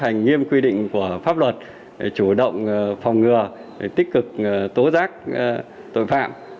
nghiêm quy định của pháp luật chủ động phòng ngừa tích cực tố giác tội phạm